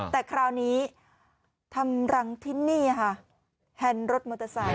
แต่คราวนี้ทำรังที่นี่ค่ะแฮนด์รถมอเตอร์ไซค